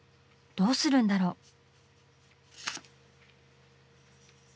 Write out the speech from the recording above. どうするんだろう？